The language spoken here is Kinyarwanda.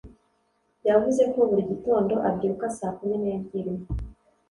Yavuze ko buri gitondo abyuka saa kumi nebyiri